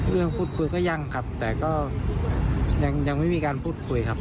พูดคุยก็ยังครับแต่ก็ยังไม่มีการพูดคุยครับ